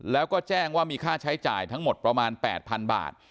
แล้วก็แจ้งว่ามีค่าใช้จ่ายทั้งหมดประมาณ๘๐๐๐บาท